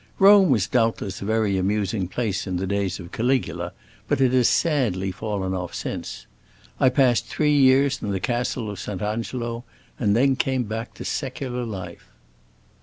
Rome was doubtless a very amusing place in the days of Caligula, but it has sadly fallen off since. I passed three years in the Castle of St. Angelo, and then came back to secular life."